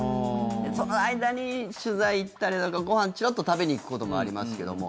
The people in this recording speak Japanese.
その間に、取材行ったりだとかご飯、ちらっと食べに行くこともありますけども。